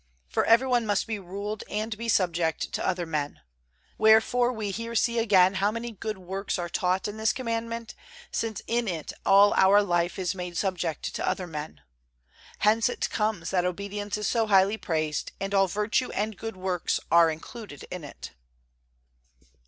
For every one must be ruled and be subject to other men. Wherefore we here see again how many good works are taught in this Commandment, since in it all our life is made subject to other men. Hence it comes that obedience is so highly praised and all virtue and good works are included in it.